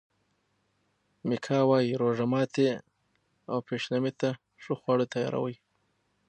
میکا وايي روژه ماتي او پیشلمي ته ښه خواړه تیاروي.